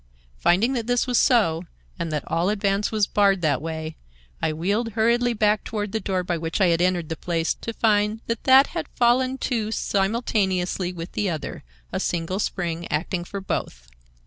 Finding that this was so, and that all advance was barred that way, I wheeled hurriedly back toward the door by which I had entered the place, to find that that had fallen to simultaneously with the other, a single spring acting for both.